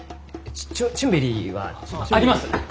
チュチュンベリーは？あります！